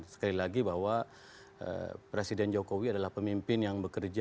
sekali lagi bahwa presiden jokowi adalah pemimpin yang bekerja